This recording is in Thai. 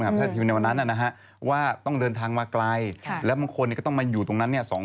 แพทย์ทิวในวันนั้นว่าต้องเดินทางมาไกลแล้วบางคนก็ต้องมาอยู่ตรงนั้นเนี่ย